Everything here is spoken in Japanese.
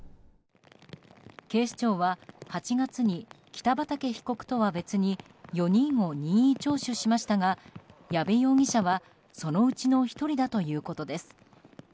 警視庁は８月に北畠被告とは別に４人を任意聴取しましたが矢部容疑者はそのうちの１人だということです。